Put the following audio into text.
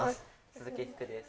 鈴木福です。